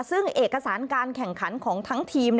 ซึ่งเอกสารการแข่งขันของทั้งทีม